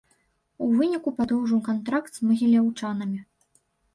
У выніку падоўжыў кантракт з магіляўчанамі.